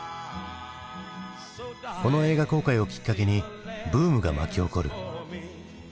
この映画公開をきっかけにブームが巻き起こる。